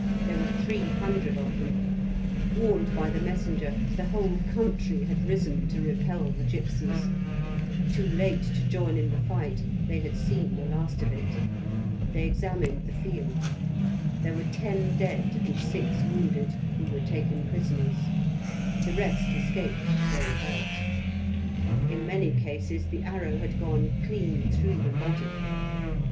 There were three hundred of them; warned by the messenger, the whole country had risen to repel the gipsies. Too late to join in the fight, they had seen the last of it. They examined the field. There were ten dead and six wounded, who were taken prisoners; the rest escaped, though hurt. In many cases the arrow had gone clean through the body.